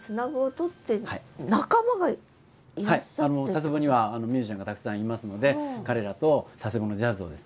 佐世保にはミュージシャンがたくさんいますので彼らと佐世保のジャズをですね